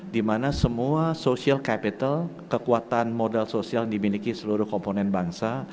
dimana semua social capital kekuatan modal sosial dimiliki seluruh komponen bangsa